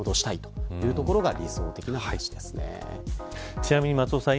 ちなみに松尾さん